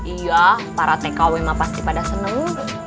iya para tkw mah pasti pada senang